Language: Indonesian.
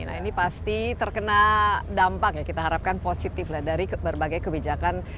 nah ini pasti terkena dampak ya kita harapkan positif lah dari berbagai kebijakan